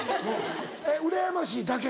えっうらやましいだけ？